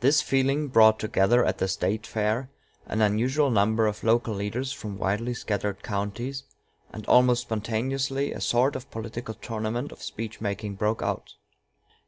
This feeling brought together at the State fair an unusual number of local leaders from widely scattered counties, and almost spontaneously a sort of political tournament of speech making broke out.